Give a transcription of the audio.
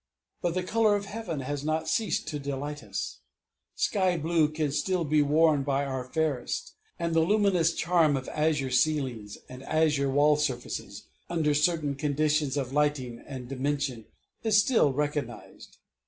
But the color of heaven has not ceased to delight us. Sky blue can still be worn by our fairest; and the luminous charm of azure ceilings and azure wall surfaces under certain conditions of lighting and dimension is still recognized.